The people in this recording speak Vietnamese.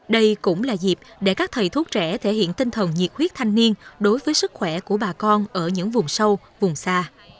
đây cũng là dịp để các thầy thuốc trẻ thể hiện tinh thần nhiệt huyết thanh niên đối với sức khỏe của bà con ở những vùng sâu vùng xa